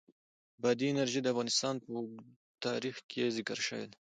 بادي انرژي د افغانستان په اوږده تاریخ کې ذکر شوې ده.